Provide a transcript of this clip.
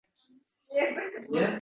Sen borsang, boraman.